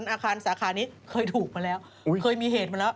อาคารสาขานี้เคยถูกมาแล้วเคยมีเหตุมาแล้ว